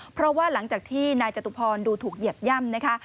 เพราะว่าหลังจากที่นายจตุพรดูถูกเหยียบย่ำนะคะ